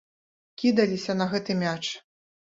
Кідаліся на гэты мяч.